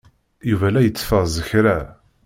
Yuba la itteffeẓ kra.